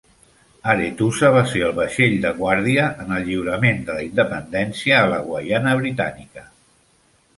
Arethusa va ser el vaixell de guàrdia en el lliurament de la independència a la Guaiana Britànica.